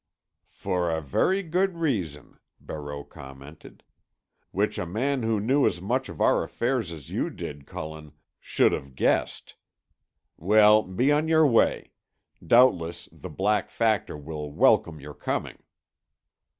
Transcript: "For a very good reason," Barreau commented. "Which a man who knew as much of our affairs as you did, Cullen, should have guessed. Well, be on your way. Doubtless the Black Factor will welcome your coming."